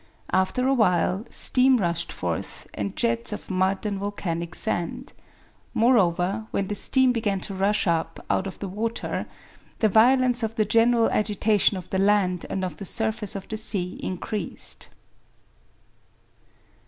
After a while, steam rushed forth, and jets of mud and volcanic sand. Moreover, when the steam began to rush up out of the water, the violence of the general agitation of the land and of the surface of the sea increased.